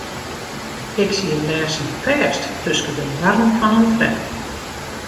Ik siet lêsten fêst tusken de doarren fan in tram.